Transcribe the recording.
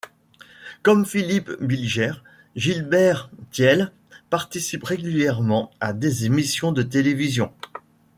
Comme Philippe Bilger, Gilbert Thiel participe régulièrement à des émissions de télévision.